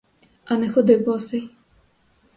А не ходи босий!